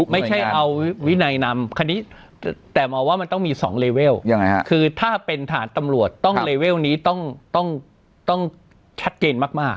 ไม่ใช่เอาวินัยนำอันนี้แต่มองว่ามันต้องมี๒เลเวลคือถ้าเป็นฐานตำรวจต้องเลเวลนี้ต้องชัดเจนมาก